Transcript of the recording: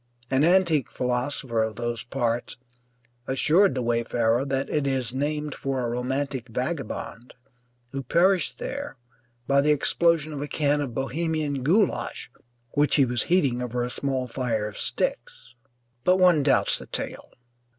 An antique philosopher of those parts assured the wayfarer that it is named for a romantic vagabond who perished there by the explosion of a can of Bohemian goulash which he was heating over a small fire of sticks; but one doubts the tale.